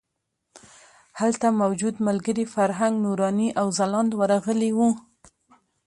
هلته موجود ملګري فرهنګ، نوراني او ځلاند ورغلي وو.